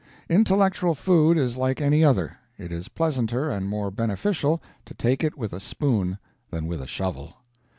Intellectual food is like any other; it is pleasanter and more beneficial to take it with a spoon than with a shovel.